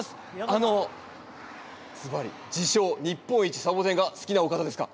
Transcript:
あのずばり自称日本一サボテンが好きなお方ですか？